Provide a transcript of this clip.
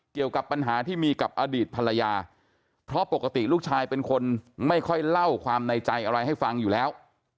เกี่ยวกับปัญหาที่มีกับอดีตภรรยาเพราะปกติลูกชายเป็นคนไม่ค่อยเล่าความในใจอะไรให้ฟังอยู่แล้ว